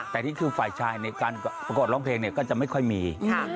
แต่ที่คือฝ่ายชายในการประกวดร้องเพลงเนี่ยก็จะไม่ค่อยมี